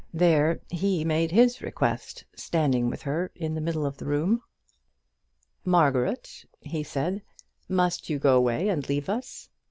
There he made his request, standing with her in the middle of the room. "Margaret," he said, "must you go away and leave us?"